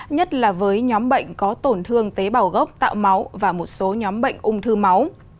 nhất là với nhóm bệnh có tổn thương tế bào gốc tạo máu và một số nhóm bệnh ung thư máu